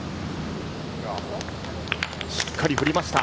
しっかり振りました。